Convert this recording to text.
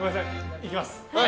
行きます。